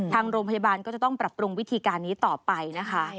ทางโรงพยาบาลก็จะต้องปรับปรุงวิธีการนี้ต่อไปนะคะ